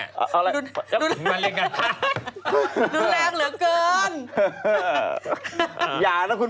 เอาไว้เงินเล็กกัน